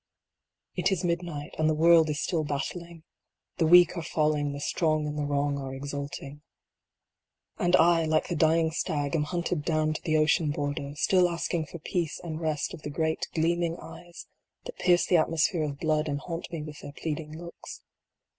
It is midnight, and the world is still battling the weak are falling, the strong and the wrong are exulting. And I, like the dying stag, am hunted down to the ocean border, still asking for peace and rest of the great gleaming eyes that pierce the atmosphere of blood and haunt me with their pleading looks.